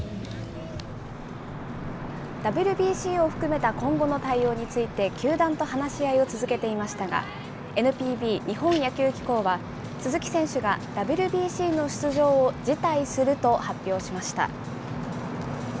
ＷＢＣを含めた今後の対応について、球団と話し合いを続けていましたが、ＮＰＢ・日本野球機構は、鈴木選手がＷＢＣの出場を辞退すると発表しました。